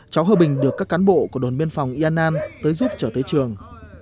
cháu hơ bình được các cán bộ của đồn biên phòng yên an tới giúp trở tới trường